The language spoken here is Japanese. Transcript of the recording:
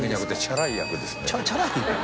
チャラい。